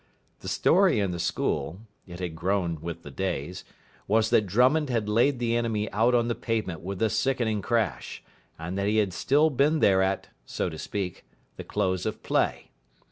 The story in the school it had grown with the days was that Drummond had laid the enemy out on the pavement with a sickening crash, and that he had still been there at, so to speak, the close of play.